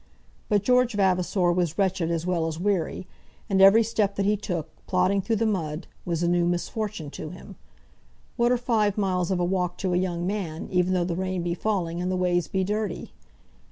But George Vavasor was wretched as well as weary, and every step that he took, plodding through the mud, was a new misfortune to him. What are five miles of a walk to a young man, even though the rain be falling and the ways be dirty?